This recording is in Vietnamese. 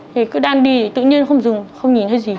thì cứ đang đi thì tự nhiên không dừng không nhìn thấy gì